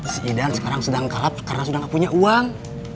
si idan sekarang sedang kalap karena sudah tidak punya uang